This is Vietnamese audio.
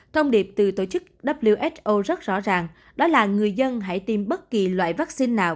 thông điệp từ tổ chức who rất rõ ràng đó là người dân hãy tiêm bất kỳ loại vaccine nào